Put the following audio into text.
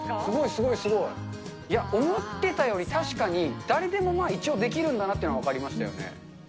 すごい、すごい。思ってたより誰でも一応できるんだなというのは分かりましたよね。